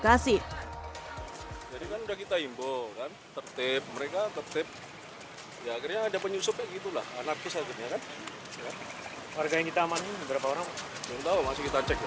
tapi tidak dapat meninggalkan lokasi